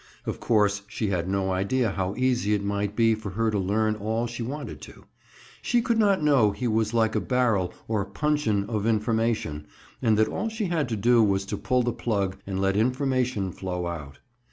Of course, she had no idea how easy it might be for her to learn all she wanted to. She could not know he was like a barrel or puncheon of information and that all she had to do was to pull the plug and let information flow out.